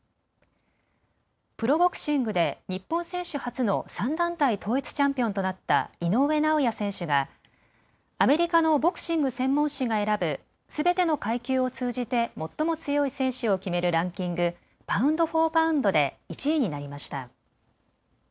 プロボクシングで日本選手初の３団体統一チャンピオンとなった井上尚弥選手がアメリカのボクシング専門誌が選ぶすべての階級を通じて最も強い選手を決めるランキング、パウンド・フォー・パウンドで１位になりました。